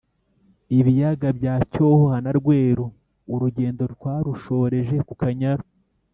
ibiyaga bya Cyohoha na Rweru. Urugendo twarushoreje ku Kanyaru,